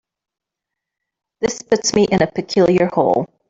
This puts me in a peculiar hole.